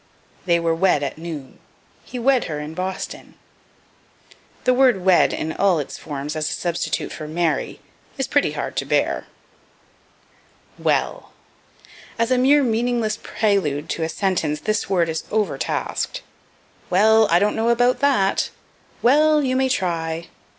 "They were wed at noon." "He wed her in Boston." The word wed in all its forms as a substitute for marry, is pretty hard to bear. Well. As a mere meaningless prelude to a sentence this word is overtasked. "Well, I don't know about that." "Well, you may try."